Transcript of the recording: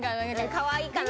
かわいいかな。